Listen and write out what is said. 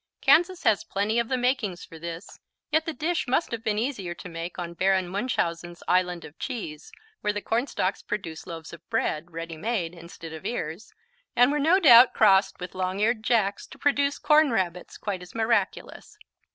Kansas has plenty of the makings for this, yet the dish must have been easier to make on Baron Münchhausen's "Island of Cheese," where the cornstalks produced loaves of bread, ready made, instead of ears, and were no doubt crossed with long eared jacks to produce Corn Rabbits quite as miraculous.